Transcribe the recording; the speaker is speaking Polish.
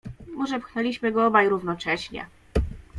"Może pchnęliśmy go obaj równocześnie."